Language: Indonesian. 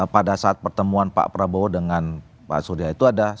pada saat pertemuan pak prabowo dengan pak surya itu ada